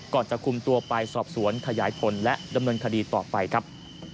จะคุมตัวไปสอบสวนขยายผลและดำเนินคดีต่อไปครับ